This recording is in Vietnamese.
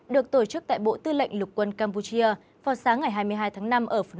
được tổ chức tại bộ tư lệnh lục quân campuchia vào sáng ngày hai mươi hai tháng năm ở phú